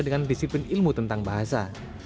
dengan disiplin ilmu tentang bahasa